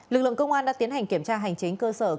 lực lượng công an đã tiến hành kiểm tra hành chính cơ sở